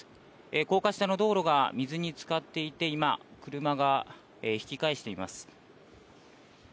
高架下の道路が水につかっていて今、車が引き返しています。